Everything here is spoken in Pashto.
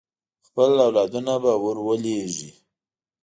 خپل اولادونه به ور ولېږي.